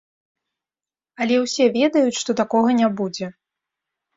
Але ўсе ведаюць, што такога не будзе.